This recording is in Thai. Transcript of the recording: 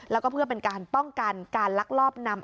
แล้วก็เพื่อเป็นการป้องกันการลักลอบนำ